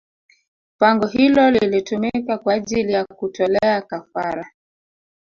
Pango hilo lilitumika kwa ajili ya kutolea kafara